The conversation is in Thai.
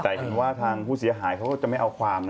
แต่ถึงว่าทางผู้เสียหายเขาก็จะไม่เอาความนะ